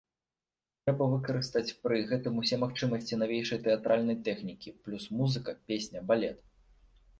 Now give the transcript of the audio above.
Трэба выкарыстаць пры гэтым усе магчымасці навейшай тэатральнай тэхнікі плюс музыка, песня, балет.